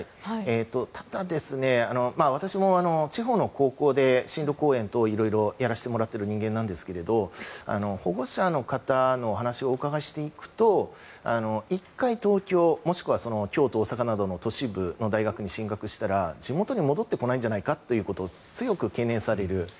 ただ、私も地方の高校で進路講演等をやらせていただいているんですが保護者の方のお話をお伺いしていくと１回、東京もしくは京都、大阪などの都市部の大学に進学したら地元に戻ってこないんじゃないかということを強く懸念される。